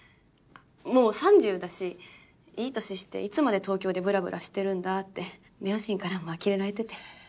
もう３０だしいい年していつまで東京でブラブラしてるんだって両親からもあきれられてて。